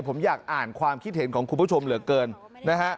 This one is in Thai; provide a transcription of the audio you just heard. ผมอยากอ่านความคิดเห็นของคุณผู้ชมเหลือเกินนะฮะ